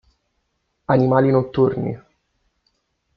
Animali notturni